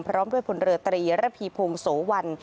พร้อมด้วยพลเรือตรีระพีพงศ์โสวัน